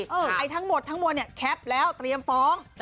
ทั้งหมดทั้งมือทั้งเมาะเนี่ยแล้วก็แก๊ปแล้วเตรียมฟ้อง